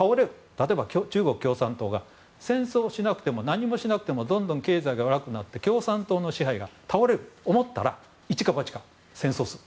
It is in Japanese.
例えば中国共産党が戦争をしなくても何もしなくてもどんどん経済が悪くなって共産党の支配が倒れると思ったら一か八か戦争をする。